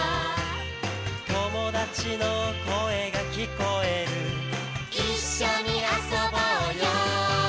「友達の声が聞こえる」「一緒に遊ぼうよ」